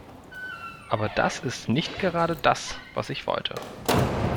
Aber das ist nicht gerade das, was ich wollte.